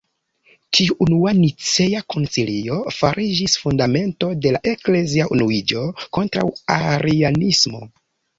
Tiu unua Nicea koncilio fariĝis fundamento de la eklezia unuiĝo kontraŭ arianismo.